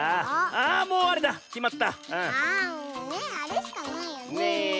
あもうねあれしかないよねえ。